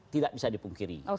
tidak bisa dipungkiri